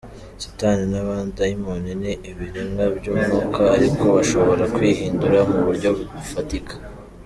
Satani n’abadayimoni ni ibiremwa by’umwuka ariko bashobora kwihindura mu buryo bufatika.